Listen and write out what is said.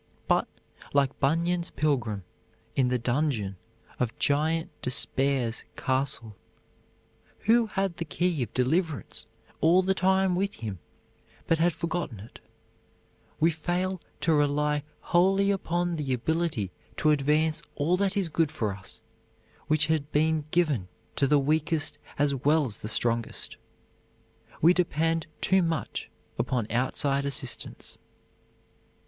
But, like Bunyan's Pilgrim in the dungeon of Giant Despair's castle, who had the key of deliverance all the time with him but had forgotten it, we fail to rely wholly upon the ability to advance all that is good for us which has been given to the weakest as well as the strongest. We depend too much upon outside assistance.